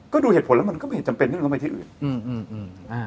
ก็ดูเหตุผลแล้วมันก็ไม่เห็นจำเป็นเรื่องเข้าไปที่อื่นอืมอืมอืมอ่า